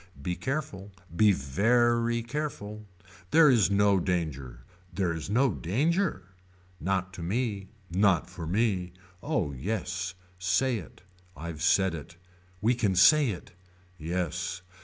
Be careful. Be very careful. There is no danger. There is no danger. Not to me. Not for me. Oh yes. Say it. I've said it. We can say. Yes.